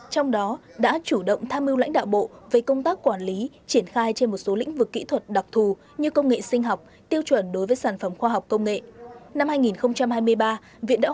trong đó đã chủ động tham mưu lãnh đạo bộ về công tác quản lý triển khai trên một số lĩnh vực kỹ thuật đặc thù như công nghệ sinh học tiêu chuẩn đối với sản phẩm khoa học công nghệ